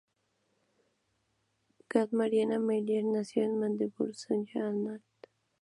Katharina Meier nació en Magdeburgo, Sajonia-Anhalt.